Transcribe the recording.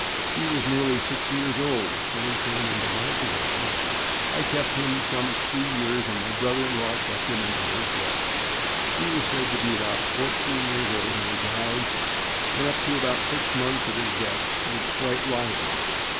He was nearly six years old when he came into my possession. I kept him some three years, and my brother in law kept him until his death. He was said to be about four teen years old when he died, and up to about six months of his death was quite lively.